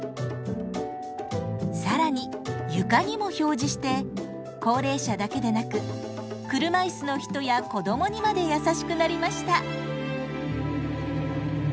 更に床にも表示して高齢者だけでなく車椅子の人や子供にまで優しくなりました。